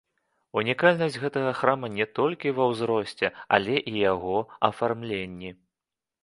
Унікальнасць гэтага храма не толькі ва ўзросце, але і яго афармленні.